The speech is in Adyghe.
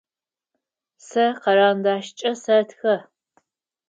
Сэ карандашкӏэ сэтхэ.